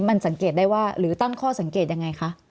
มันสังเกตได้ว่าหรือตั้งข้อสังเกตยังไงคะ